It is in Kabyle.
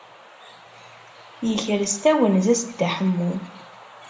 Yekres tawenza-s Dda Ḥemmu.